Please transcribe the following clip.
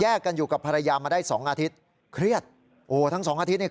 กันอยู่กับภรรยามาได้สองอาทิตย์เครียดโอ้ทั้งสองอาทิตยเนี่ย